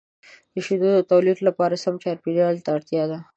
د شیدو د تولید لپاره د سم چاپیریال اړتیا لري.